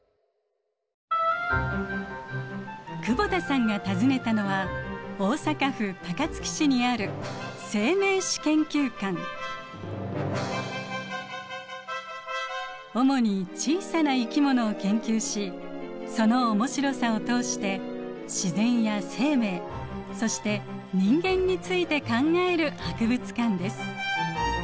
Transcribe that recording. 久保田さんが訪ねたのは大阪府高槻市にある主に小さな生き物を研究しその面白さを通して自然や生命そして人間について考える博物館です。